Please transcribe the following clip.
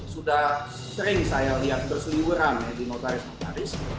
sudah sering saya lihat berseliburan di notaris notaris